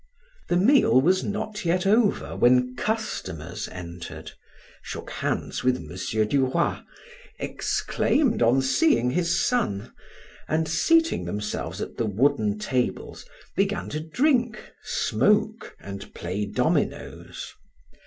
The meal was not yet over when customers entered, shook hands with M. Duroy, exclaimed on seeing his son, and seating themselves at the wooden tables began to drink, smoke, and play dominoes.